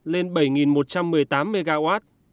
lên bảy một trăm một mươi tám mw